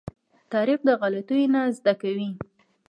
تاریخ د غلطيو نه زده کوي.